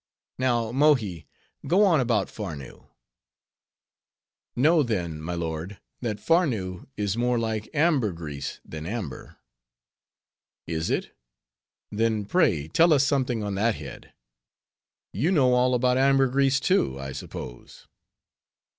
"Now, Mohi, go on about Farnoo." "Know, then, my lord, that Farnoo is more like ambergris than amber." "Is it? then, pray, tell us something on that head. You know all about ambergris, too, I suppose."